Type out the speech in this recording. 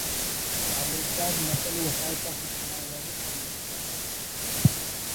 صالح شاد متل وساہت آتے تینا وڑ اٹ نوشتہ کرینے